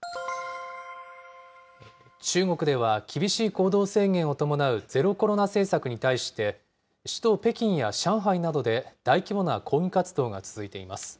中国では、厳しい行動制限を伴うゼロコロナ政策に対して、首都北京や上海などで、大規模な抗議活動が続いています。